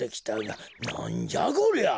なんじゃこりゃ？